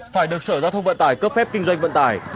phải được sở giao thông vận tải cấp phép kinh doanh vận tải